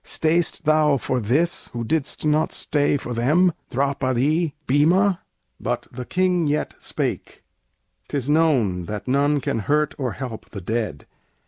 Stay'st thou for this, who didst not stay for them, Draupadí, Bhima?" But the King yet spake: "'Tis known that none can hurt or help the dead.